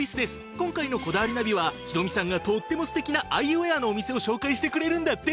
今回の『こだわりナビ』はひろみさんがとっても素敵なアイウェアのお店を紹介してくれるんだって。